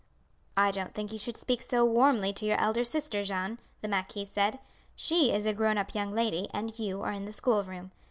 "I don't think you should speak so warmly to your elder sister, Jeanne," the marquis said; "she is a grown up young lady, and you are in the school room.